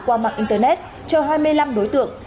qua mạng internet cho hai mươi năm đối tượng